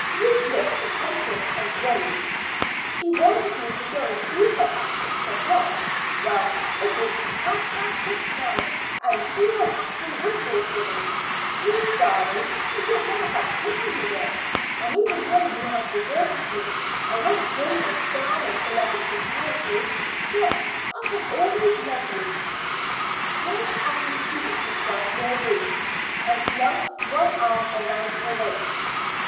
Ruth looked attentive and grave. "She wanted me to go and see her at six o'clock. Well, it is half past six now, and she will have to whistle for me. Ruth, darling, you don't know how pretty you look; and even though you have deserted me, and won't join my darling, beloved society, yet I shall always love you." Here Kathleen seated herself near Ruth and flung one arm around her waist.